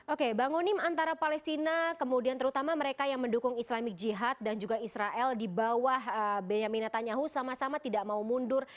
oke bangunin antara palestina kemudian terutama mereka yang mendukung islami jihad dan juga israel di bawah benyaminatanyahu sama sama tidak mau mundur